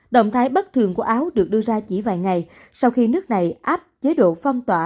động thái bất thường của áo được đưa ra chỉ vài ngày sau khi nước này áp chế độ phong tỏa